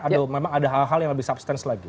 atau memang ada hal hal yang lebih substansial